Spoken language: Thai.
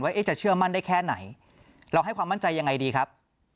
จะเชื่อมั่นได้แค่ไหนเราให้ความมั่นใจยังไงดีครับ